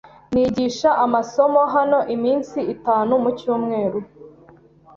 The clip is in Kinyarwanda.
Nigisha amasomo hano iminsi itanu mucyumweru.